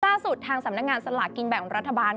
ล่าสุดทางสำนักงานสลากกินแบ่งรัฐบาล